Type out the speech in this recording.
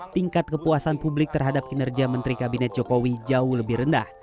tingkat kepuasan publik terhadap kinerja menteri kabinet jokowi jauh lebih rendah